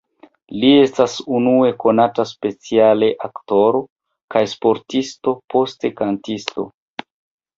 Li estas unue konata speciale aktoro kaj sportisto, poste kantisto.